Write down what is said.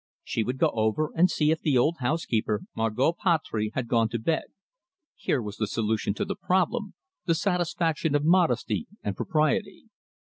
She would go over and see if the old housekeeper, Margot Patry, had gone to bed. Here was the solution to the problem, the satisfaction of modesty and propriety.